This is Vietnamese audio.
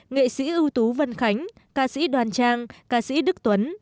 nghệ sĩ ưu tú vân khánh ca sĩ đoàn trang ca sĩ đức tuấn